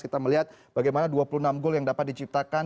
kita melihat bagaimana dua puluh enam gol yang dapat diciptakan